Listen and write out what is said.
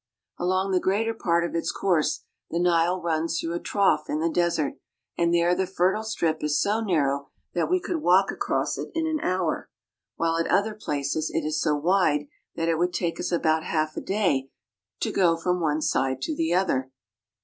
^ Along the greater part of its course the Nile runs through a trough in the desert, and there the fertile strip is so narrow that we could walk across it in an hour; while at other places it is so wide that it would take us about half a day to go from one side to the other.